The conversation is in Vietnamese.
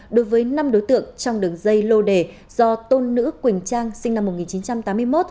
đối với năm đối tượng trong đường dây lô đề do tôn nữ quỳnh trang sinh năm một nghìn chín trăm tám mươi một